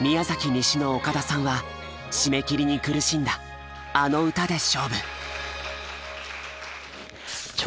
西の岡田さんは締め切りに苦しんだあの歌で勝負。